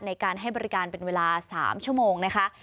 ในการให้บริการเป็นเวลา๓ชั่วโมงนะคะ